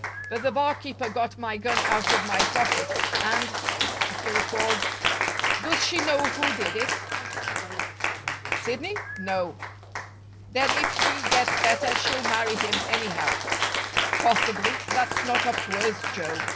"But the barkeeper got my gun out of my pocket. And " After a pause: "Does she know who did it?" "Sidney? No." "Then, if he gets better, she'll marry him anyhow." "Possibly. That's not up to us, Joe.